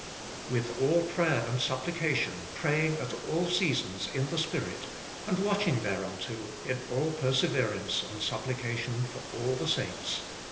With all prayer and supplication praying at all seasons in the Spirit, and watching thereunto in all perseverance and sup plication for all the saints."